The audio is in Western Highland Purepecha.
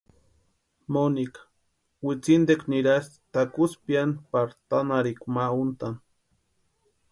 Monika witsintekwa nirasti takusï piani pari tanharhikwa ma úntʼani.